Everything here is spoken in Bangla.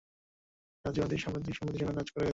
সারাজীবন তিনি সাম্প্রদায়িক সম্প্রীতির জন্য কাজ করে গেছেন।